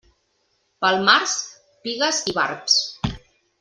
Pel març, pigues i barbs.